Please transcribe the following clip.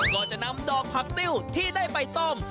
ก็จะนำดอกผักติ้วที่ได้ไปต้ม